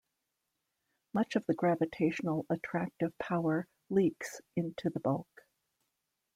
Much of the gravitational attractive power "leaks" into the bulk.